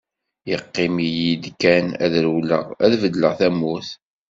Yeqqim-iyi-d kan ad rewleɣ, ad beddleɣ tamurt.